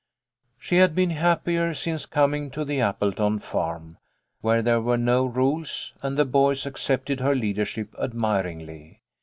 She had been happier since coming to the Apple ton farm, where there were no rules, and the boys accepted her leadership admiringly.